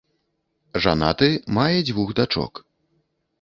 Жанаты, мае дзвюх дачок.